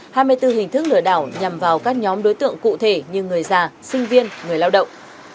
hai mươi bốn hình thức lừa đảo nhằm vào các nhóm đối tượng cụ thể như người già sinh viên người lao động